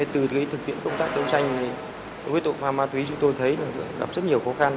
từ thực hiện công tác đấu tranh huyết tội phá ma túy chúng tôi thấy gặp rất nhiều khó khăn